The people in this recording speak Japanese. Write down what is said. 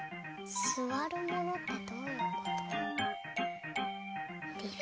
すわるものってどういうんだっけ？